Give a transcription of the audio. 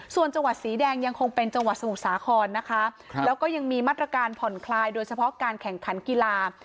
ส่วนจังหวัดสีแดงยังคงเป็นจังหวัดสมุทรสาครนะคะแล้วก็ยังมีมาตรการผ่อนคลายโดยเฉพาะการแข่งขันกีฬา